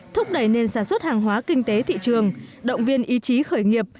thúc đẩy nền sản xuất hàng hóa kinh tế thị trường động viên ý chí khởi nghiệp